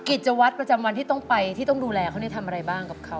กิจวัตรประจำวันที่ต้องไปที่ต้องดูแลเขาเนี่ยทำอะไรบ้างกับเขา